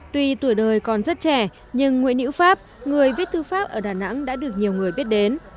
tuy tuổi đời còn rất trẻ nhưng nguyễn hữu pháp người viết thư pháp ở đà nẵng đã được nhiều người biết đến